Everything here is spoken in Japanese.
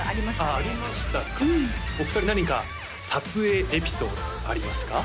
あありましたかお二人何か撮影エピソードありますか？